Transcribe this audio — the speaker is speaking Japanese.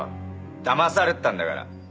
だまされてたんだから。